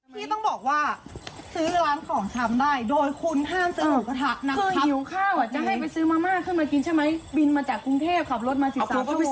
พี่ต้องบอกว่าซื้อหลานของถอมได้โดยคุณอย่าซื้อหมูกระทะครับ